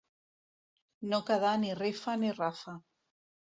No quedar ni rifa ni rafa.